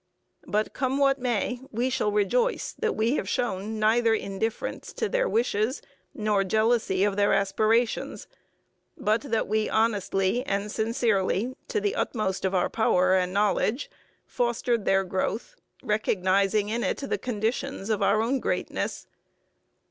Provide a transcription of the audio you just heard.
But, come what may, we shall rejoice that we have shown neither indifference to their wishes nor jealousy of their aspirations, but that we honestly and sincerely, to the utmost of our power and knowledge, fostered their growth, recognizing in it the conditions of our own greatness.